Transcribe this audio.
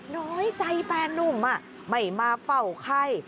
น้อยใจแฟนนุ่มไม่มาเฝ้าไข้